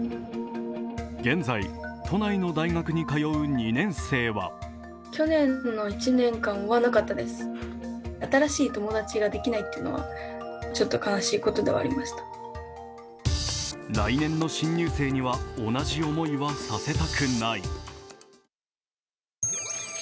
現在、都内の大学に通う２年生は来年の新入生には同じ思いはさせたくない。